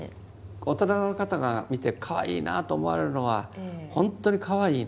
大人の方が見てかわいいなと思われるのはほんとにかわいいの？